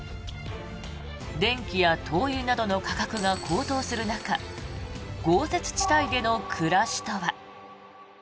電気や灯油などの価格が高騰する中豪雪地帯での暮らしとは。